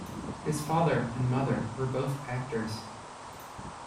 His father and mother were both actors.